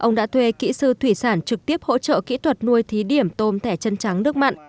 ông đã thuê kỹ sư thủy sản trực tiếp hỗ trợ kỹ thuật nuôi thí điểm tôm thẻ chân trắng nước mặn